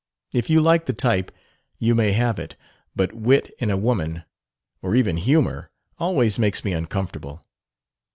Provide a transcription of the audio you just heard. If you like the type you may have it; but wit in a woman, or even humor, always makes me uncomfortable.